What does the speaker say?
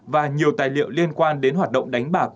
và nhiều tài liệu liên quan đến hoạt động đánh bạc